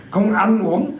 không ăn uống